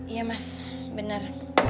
iya mas benar